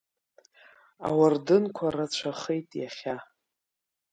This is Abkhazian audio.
Ауардынқәа рацәахеит иахьа.